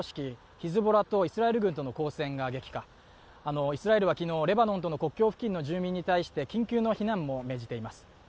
ヒズボラと交戦が激化、イスラエルは昨日レバノンの国境付近の住民に対して緊急の避難も命じています。